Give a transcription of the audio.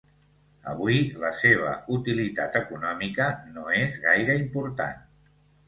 Avui la seva utilitat econòmica no és gaire important.